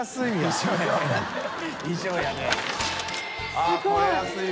すごい。